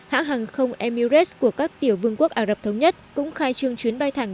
hãng hàng không emirates của các tiểu vương quốc ả rập thống nhất cũng khai trương chuyến bay thẳng